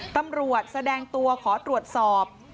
ตำรวจแสดงตัวขอตรวจสอบ